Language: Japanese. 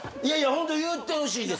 ホント言ってほしいです。